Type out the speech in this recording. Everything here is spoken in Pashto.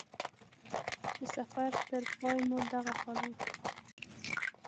د سفر تر پای مو دغه حال و.